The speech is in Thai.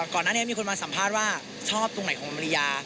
ก่อนหน้านี้มีคนมาสัมภาษณ์ว่าชอบตรงไหนของอเมริยา